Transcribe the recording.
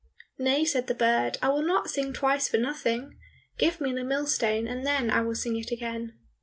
"Nay," said the bird, "I will not sing twice for nothing. Give me the millstone, and then I will sing it again."